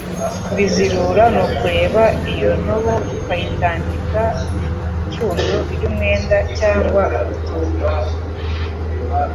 Kubizirura ni ukureba ya ntobo ukayitamika ipfundo ry’umwenda cyangwa urutumbwe